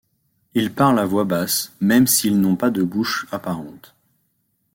Ils parlent à voix basse, même s'ils n'ont pas de bouches apparentes.